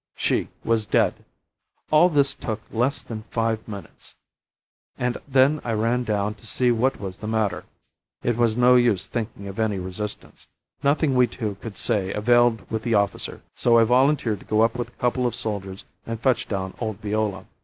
She was dead! All this took less than five minutes, and then I ran down to see what was the matter. It was no use thinking of any resistance. Nothing we two could say availed with the officer, so I volunteered to go up with a couple of soldiers and fetch down old Viola.